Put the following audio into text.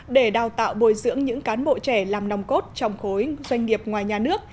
để đào tạo bồi dưỡng những cán bộ trẻ làm nòng cốt trong khối doanh nghiệp ngoài nhà nước